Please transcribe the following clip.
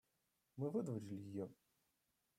Мы выдворили ее.